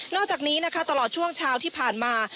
อกจากนี้นะคะตลอดช่วงเช้าที่ผ่านมา